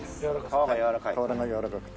皮がやわらかい？